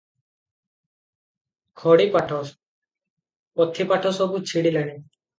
ଖଡ଼ିପାଠ, ପୋଥିପାଠ ସବୁ ଛିଡ଼ିଲାଣି ।